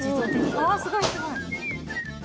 あっすごいすごい。